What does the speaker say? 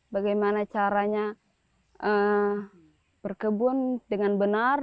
bagaimana caranya berkebun dengan benar